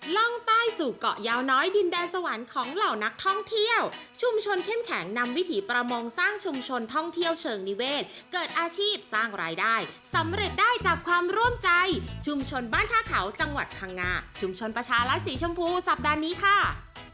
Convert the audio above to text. ร่องใต้สู่เกาะยาวน้อยดินแดนสวรรค์ของเหล่านักท่องเที่ยวชุมชนเข้มแข็งนำวิถีประมงสร้างชุมชนท่องเที่ยวเชิงนิเวศเกิดอาชีพสร้างรายได้สำเร็จได้จากความร่วมมือใจชุมชนบ้านท่าเขาจังหวัดพังงาชุมชนประชารัฐสีชมพูสัปดาห์นี้ค่ะ